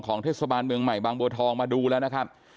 เทศบาลเมืองใหม่บางบัวทองมาดูแล้วนะครับ